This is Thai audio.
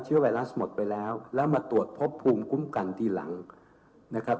ไวรัสหมดไปแล้วแล้วมาตรวจพบภูมิคุ้มกันทีหลังนะครับ